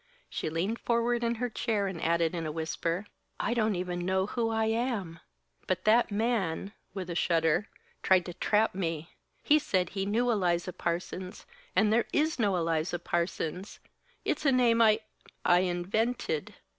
She leaned forward in her chair and added, in a whisper: "I don't even know who I am! But that man," with a shudder, "tried to trap me. He said he knew Eliza Parsons, and there is no Eliza Parsons. It's a name I I invented."